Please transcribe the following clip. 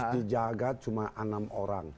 dijaga cuma enam orang